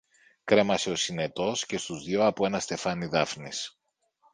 Κρέμασε ο Συνετός και στους δυο από ένα στεφάνι δάφνης.